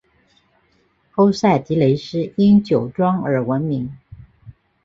欧塞迪雷斯因酒庄而闻名。